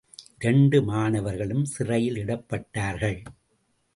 இரண்டு மாணவர்களும் சிறையிலிடப்பட்டார்கள்.